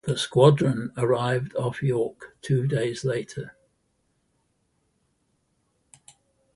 The squadron arrived off York two days later.